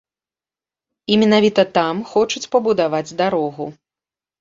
І менавіта там хочуць пабудаваць дарогу.